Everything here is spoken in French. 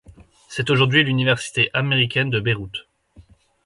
C'est aujourd'hui l'université américaine de Beyrouth.